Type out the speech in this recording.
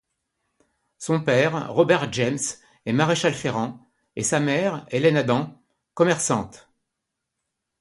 Son père Robert James est maréchal-ferrant, et sa mère Hélène Adam commerçante.